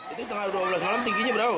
itu setengah dua belas malam tingginya berapa